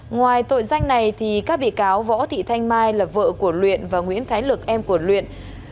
ngoài tội danh này các bị cáo võ thị thanh mai là vợ của luyện và nguyễn thái lực em của luyện